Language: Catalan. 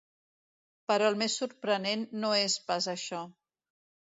Però el més sorprenent no és pas això.